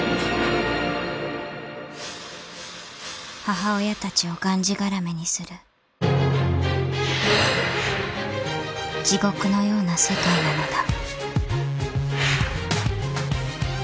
［母親たちをがんじがらめにする地獄のような世界なのだ］